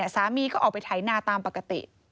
สามีก็ออกไปถ่ายหน้าตามปกติ